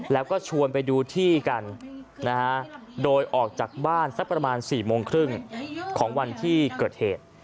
แล้วก็ชวนไปดูที่กันนะฮะโดยออกจากบ้านสักประมาณ๔โมงครึ่งของวันที่เกิดเหตุ